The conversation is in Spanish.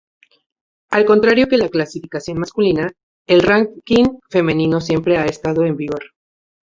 Al contrario que la clasificación masculina, el ranking femenino siempre ha estado en vigor.